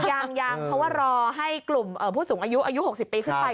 ยังยังเพราะว่ารอให้กลุ่มผู้สูงอายุอายุ๖๐ปีขึ้นไป